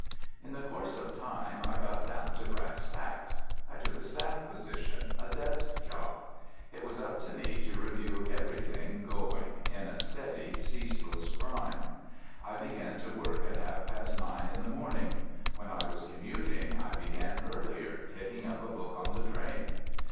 In the course of time I got down to brass tacks; I took a staff position, a desk job. It was up to me to review everything going, in a steady ceaseless grind. I began work at half past nine in the morning. When I was commuting I began earlier, taking up a book on the train.